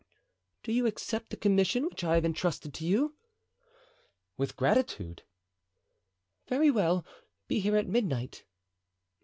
"Do you accept the commission which I have intrusted to you?" "With gratitude." "Very well, be here at midnight."